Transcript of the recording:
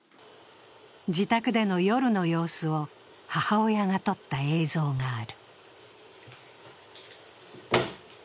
自宅での夜の様子を母親が撮った映像がある。